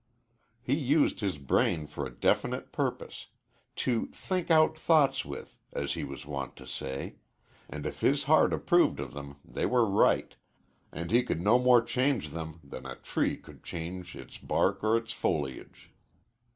He used his brain for a definite purpose "to think out thoughts with," as he was wont to say, and if his heart approved of them they were right, and he could no more change them than a tree could change its bark or its foliage.